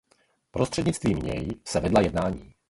Prostřednictvím něj se vedla jednání.